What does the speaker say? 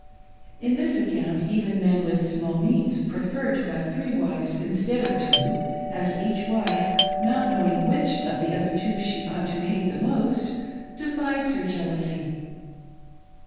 On this account even men with small means prefer to have three wives instead of two, as each wife, not knowing which of the other two she ought to hate the most, divides her jealousy.